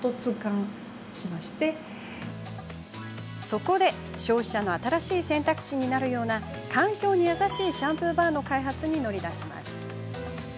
そこで、消費者の新しい選択肢になるような環境に優しいシャンプーバーの開発に乗り出します。